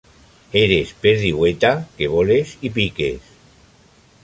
Eres perdiueta que voles i piques.